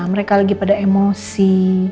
mereka lagi pada emosi